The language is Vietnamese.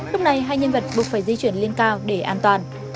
lúc này hai nhân vật buộc phải di chuyển lên cao để an toàn